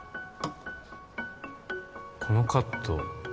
このカット